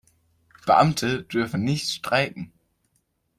Beamte dürfen nicht streiken.